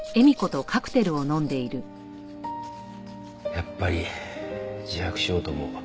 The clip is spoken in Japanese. やっぱり自白しようと思う。